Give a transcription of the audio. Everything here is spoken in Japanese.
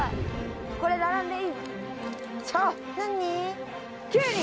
これ並んでいい？